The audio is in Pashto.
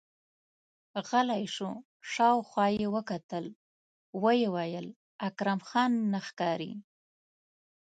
غلی شو، شاوخوا يې وکتل، ويې ويل: اکرم خان نه ښکاري!